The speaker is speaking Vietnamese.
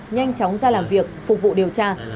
nhanh chóng ra làm việc phục vụ điều tra